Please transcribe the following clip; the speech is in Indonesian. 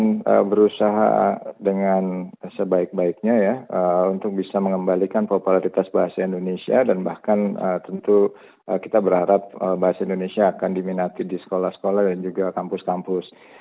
kita akan berusaha dengan sebaik baiknya ya untuk bisa mengembalikan popularitas bahasa indonesia dan bahkan tentu kita berharap bahasa indonesia akan diminati di sekolah sekolah dan juga kampus kampus